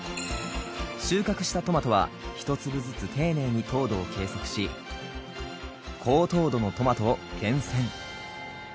収穫したトマトは１粒ずつ丁寧に糖度を計測し高糖度のトマトを厳選。